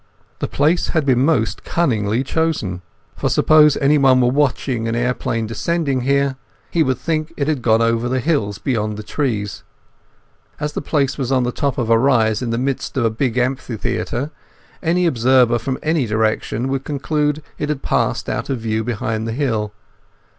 The place had been most cunningly chosen. For suppose anyone were watching an aeroplane descending here, he would think it had gone over the hill beyond the trees. As the place was on the top of a rise in the midst of a big amphitheatre, any observer from any direction would conclude it had passed out of view behind the hill.